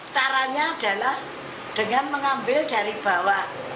caranya adalah dengan mengambil dari bawah